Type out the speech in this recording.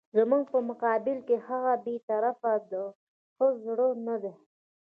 زموږ په مقابل کې د هغه بې طرفي د ښه زړه نه ده.